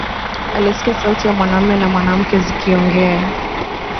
Alisikia sauti ya mwanaume na mwanamke zikiongea